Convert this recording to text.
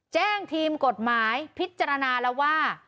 ทีมกฎหมายพิจารณาแล้วว่า